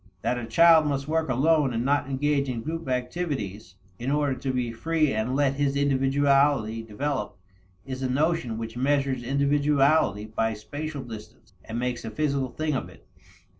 That a child must work alone and not engage in group activities in order to be free and let his individuality develop, is a notion which measures individuality by spatial distance and makes a physical thing of it.